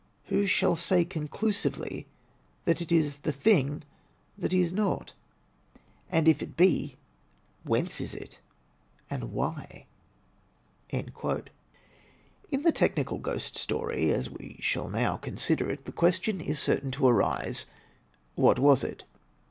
Who shall say conclusively that it is the thing that is not? And if it be, whence is it, and why? " GHOST STORIES 29 In the technical Ghost Story, as we shall now consider it, the question is certain to arise: "What was It?"